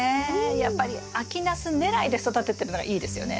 やっぱり秋ナスねらいで育ててるのがいいですよね。